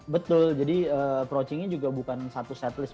betul jadi approaching nya juga bukan satu setlist